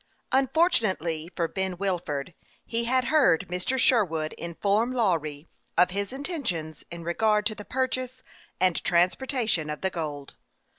UNFORTUNATELY for Ben Wilford, he had heard Mr. Sherwood inform Lawry of his intentions in regard to the purchase and transportation of the gold.